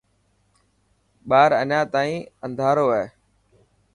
ٻار اڃا تائين انڌارو هي.